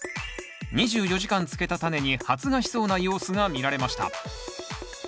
２４時間つけたタネに発芽しそうな様子が見られました。